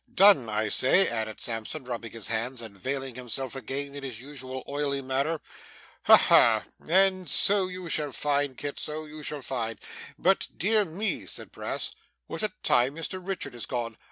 'Done, I say,' added Sampson, rubbing his hands and veiling himself again in his usual oily manner. 'Ha ha! and so you shall find Kit, so you shall find. But dear me,' said Brass, 'what a time Mr Richard is gone!